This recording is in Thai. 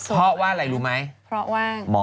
เพราะว่าอะไรรู้ไหม